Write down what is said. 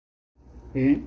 دريرة تجلب الطربا